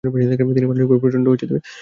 তিনি মানসিকভাবে প্রচণ্ড ভেঙে পড়েন।